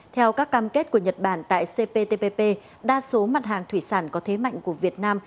theo các cam kết của nhật bản tại cptpp đa số mặt hàng thủy sản có thế mạnh của việt nam